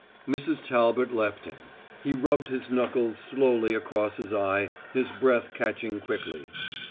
Mrs. Talbot left him. He rubbed his knuckles slowly across his eye, his breath catching quickly.